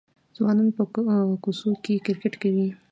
ځوانان په کوڅو کې کرکټ کوي.